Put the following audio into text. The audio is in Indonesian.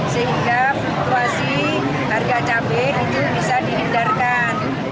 sehingga fluktuasi harga cabai itu bisa dihindarkan